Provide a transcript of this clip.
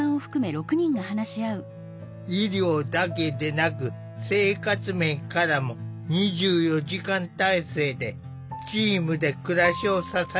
医療だけでなく生活面からも２４時間体制でチームで暮らしを支えている。